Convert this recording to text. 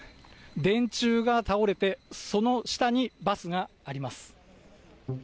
電柱が倒れて、その下にバスがあります。